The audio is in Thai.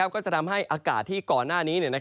ก็จะทำให้อากาศที่ก่อนหน้านี้